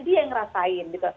dia yang ngerasain